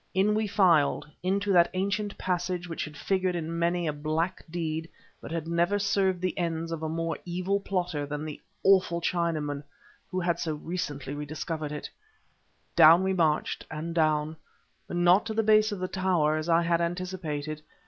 In we filed, into that ancient passage which had figured in many a black deed but had never served the ends of a more evil plotter than the awful Chinaman who so recently had rediscovered it. Down we marched, and down, but not to the base of the tower, as I had anticipated.